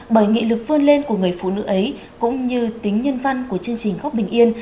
bởi nghị lực vươn lên của người phụ nữ ấy cũng như tính nhân văn của chương trình góc bình yên